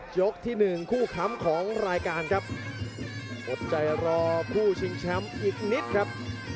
ที่หนึ่งคู่ค้ำของรายการครับอดใจรอคู่ชิงแชมป์อีกนิดครับ